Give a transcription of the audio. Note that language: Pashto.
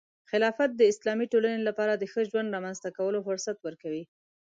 خلافت د اسلامي ټولنې لپاره د ښه ژوند رامنځته کولو فرصت ورکوي.